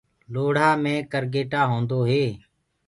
لوڙهآ مي ڪرگيٽآ هوندو هي۔